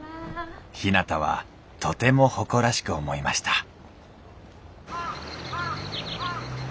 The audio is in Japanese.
ひなたはとても誇らしく思いました